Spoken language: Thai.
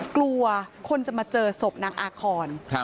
กลัวคนจะมาเจอศพนางอาคอน